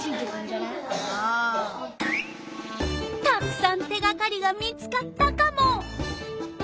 たくさん手がかりが見つかったカモ。